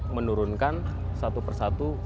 menurunkan satu persatu